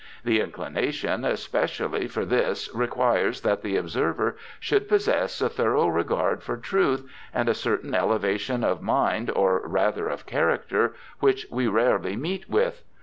The inclination especially, for this re quires that the observer should possess a thorough regard for truth, and a certain elevation of mind, or rather of character, which we rarely meet with.